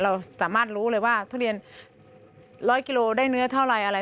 เราสามารถรู้เลยว่าทุเรียน๑๐๐กิโลได้เนื้อเท่าไรอะไร